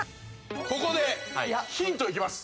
ここでヒントいきます